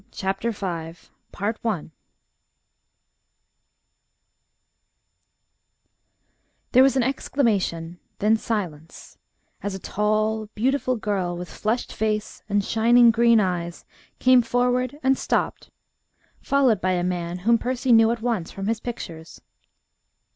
CHAPTER V I There was an exclamation, then silence, as a tall, beautiful girl with flushed face and shining grey eyes came forward and stopped, followed by a man whom Percy knew at once from his pictures.